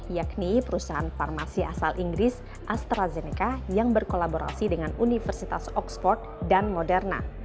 yakni perusahaan farmasi asal inggris astrazeneca yang berkolaborasi dengan universitas oxford dan moderna